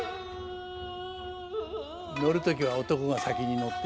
乗る時は男が先に乗って。